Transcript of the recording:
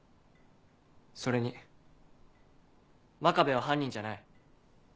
それに真壁は犯人じゃない。